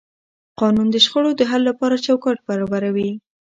قانون د شخړو د حل لپاره چوکاټ برابروي.